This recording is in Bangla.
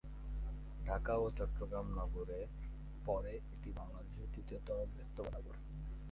ঢাকা ও চট্টগ্রাম নগরের পরে এটি বাংলাদেশের তৃতীয় বৃহত্তম নগর।